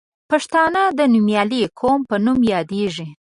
پښتانه د نومیالي قوم په نوم یادیږي.